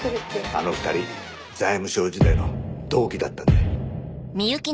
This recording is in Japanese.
あの２人財務省時代の同期だったんだ。